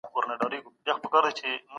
له کورنۍ پرته د وطن مینه نه پیدا کېږي.